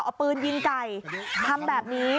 เอาปืนยิงไก่ทำแบบนี้